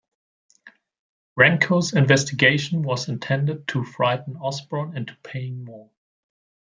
Renko's investigation was intended to frighten Osborne into paying more.